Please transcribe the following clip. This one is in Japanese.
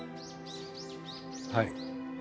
はい。